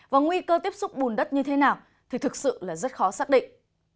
và nguy cơ tiếp xúc bùn đất như thế nào thì thực sự là rất khó xác định